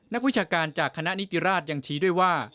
วิชาการจากคณะนิติราชยังชี้ด้วยว่า